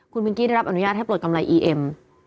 คุณวิงกี้ได้รับอนุญาตให้ปลดกำไรอีเอ็ม